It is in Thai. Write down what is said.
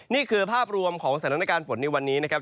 นี่คือภาพรวมของสถานการณ์ฝนในวันนี้นะครับ